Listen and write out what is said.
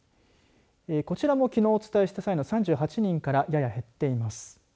こちらも、きのうお伝えした際の３８人から、やや減っています。